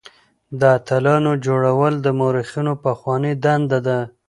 د اتلانو جوړول د مورخينو پخوانۍ دنده ده.